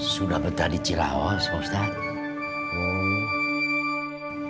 sudah betah di cilawas pak ustadz